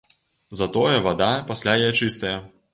Затое вада пасля яе чыстая.